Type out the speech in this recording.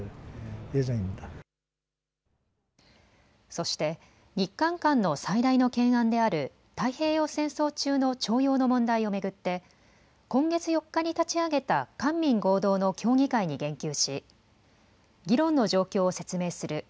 そして日韓間の最大の懸案である太平洋戦争中の徴用の問題を巡って今月４日に立ち上げた官民合同の協議会に言及し議論の状況を説明する。